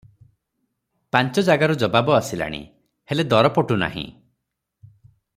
ପାଞ୍ଚ ଯାଗାରୁ ଜବାବ ଆସିଲାଣି, ହେଲେ ଦର ପଟୁନାହିଁ ।